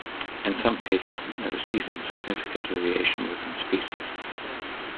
In some cases there is even significant variation within species.